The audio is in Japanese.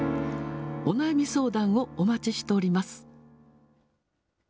お悩み相談をお待ちしております。